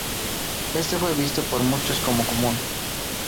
Esto fue visto por muchos como común.